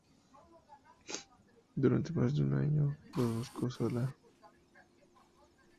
Durante más de un año los buscó sola.